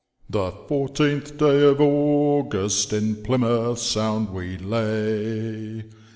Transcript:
" The fourteenth day of August in Plymouth Sound we lay.